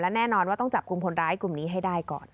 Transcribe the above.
แน่นอนว่าต้องจับกลุ่มคนร้ายกลุ่มนี้ให้ได้ก่อน